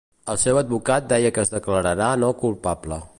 El seu advocat deia que es declararà no culpable.